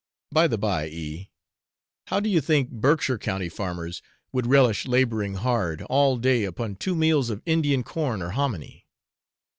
By the by, E , how do you think Berkshire county farmers would relish labouring hard all day upon two meals of Indian corn or hominy?